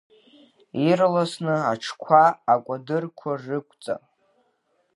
Ирласны аҽқәа акәадырқәа рықәҵа!